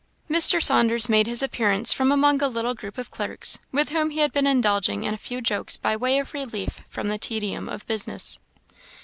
Mr. Saunders made his appearance from among a little group of clerks, with whom he had been indulging in a few jokes by way of relief from the tedium of business.